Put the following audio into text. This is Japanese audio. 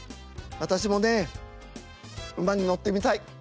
私もね馬に乗ってみたい。